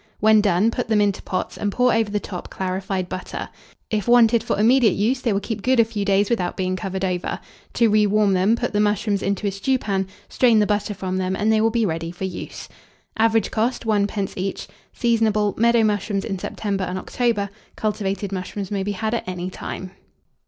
When done, put them into pots, and pour over the top clarified butter. If wanted for immediate use, they will keep good a few days without being covered over. To re warm them, put the mushrooms into a stewpan, strain the butter from them, and they will be ready for use. Average cost, 1d. each. Seasonable. Meadow mushrooms in September and October; cultivated mushrooms may be had at any time.